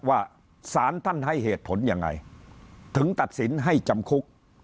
สารท่านให้เหตุผลยังไงถึงตัดสินให้จำคุก